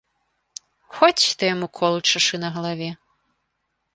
Хоць ты яму кол чашы на галаве!